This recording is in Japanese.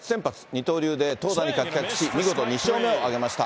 二刀流で投打に活躍し、見事２勝目を挙げました。